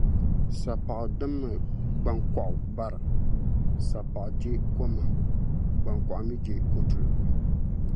Sapaɣu dimi gbankɔɣu bara; sapaɣu je komahim, gbankɔɣu mi je kotulim.